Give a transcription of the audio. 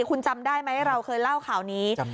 คุณจำได้ไหมเราเคยเล่าข่าวนี้